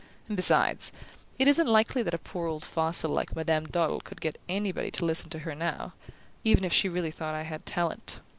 "And besides, it isn't likely that a poor old fossil like Mme. Dolle could get anybody to listen to her now, even if she really thought I had talent.